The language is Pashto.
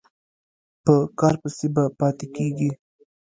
په کار پسې به پاتې کېږې.